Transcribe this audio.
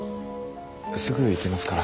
すぐ行きますから。